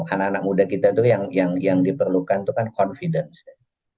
anak anak muda kita tuh yang diperlukan itu kan confidence ya